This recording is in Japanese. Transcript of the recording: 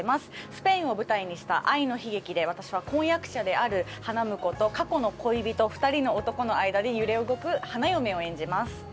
スペインを舞台にした愛の悲劇で私は婚約者である花婿と過去の恋人２人の男の間で揺れ動く花嫁を演じます。